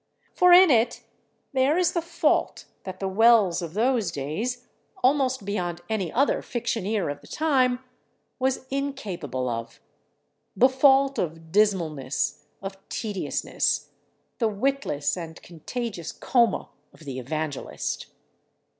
For in it there is the fault that the Wells of those days, almost beyond any other fictioneer of the time, was incapable of—the fault of dismalness, of tediousness—the witless and contagious coma of the evangelist.